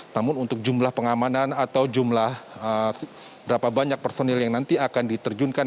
namun untuk jumlah pengamanan atau jumlah berapa banyak personil yang nanti akan diterjunkan